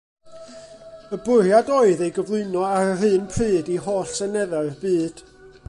Y bwriad oedd ei gyflwyno ar yr un pryd i holl seneddau'r byd.